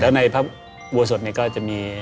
แล้วในพระอุปสรรคเนี่ยก็จะมี